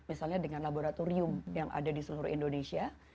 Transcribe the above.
misalnya dengan laboratorium yang ada di seluruh indonesia